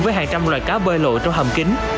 với hàng trăm loài cá bơi lội trong hầm kính